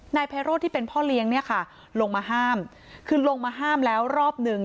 นายไพโรธที่เป็นพ่อเลี้ยงเนี่ยค่ะลงมาห้ามคือลงมาห้ามแล้วรอบหนึ่ง